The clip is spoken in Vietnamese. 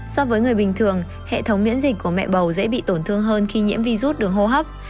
so với người bình thường hệ thống miễn dịch của mẹ bầu dễ bị tổn thương hơn khi nhiễm virus đường hô hấp